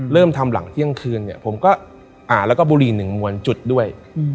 เริ่มทำหลังเที่ยงคืนเนี่ยผมก็อ่านแล้วก็บุรี๑มวลจุดด้วย